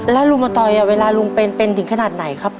แล้วลุงมาตอยเวลาลุงเป็นเป็นถึงขนาดไหนครับ